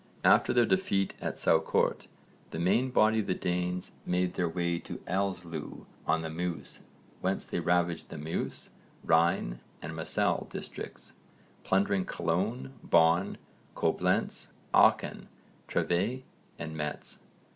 After their defeat at Saucourt the main body of the Danes made their way to Elsloo on the Meuse whence they ravaged the Meuse, Rhine and Moselle districts plundering Cologne, Bonn, Coblentz, Aachen, Trèves and Metz.